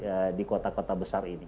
air tanah di kota kota besar ini